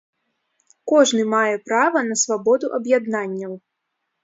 Кожны мае права на свабоду аб’яднанняў.